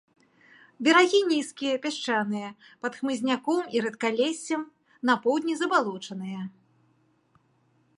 Берагі нізкія, пясчаныя, пад хмызняком і рэдкалессем, на поўдні забалочаныя.